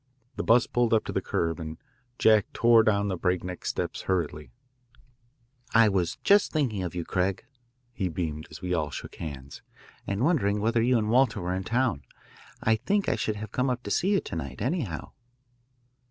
The 'bus pulled up to the curb, and Jack tore down the breakneck steps hurriedly. "I was just thinking of you, Craig," he beamed as we all shook hands, "and wondering whether you and Walter were in town. I think I should have come up to see you to night, anyhow."